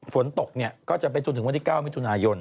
ฝนตกก็จะไปจนถึงวันที่๙มิถุนายน